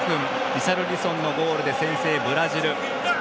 リシャルリソンのゴールで先制ブラジル。